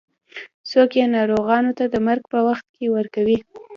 څوک یې ناروغانو ته د مرګ په وخت کې ورکوي.